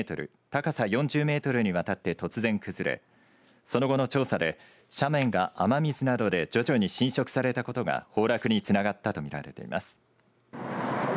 高さ４０メートルにわたって突然崩れその後の調査で斜面が雨水などで徐々に浸食されたことが崩落につながったと見られています。